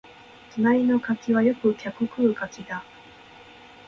隣の柿はよく客食う柿だ